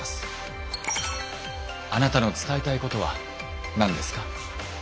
あなたの伝えたいことは何ですか？